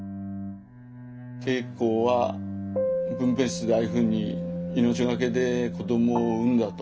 圭子は分べん室でああいうふうに命懸けで子どもを産んだと。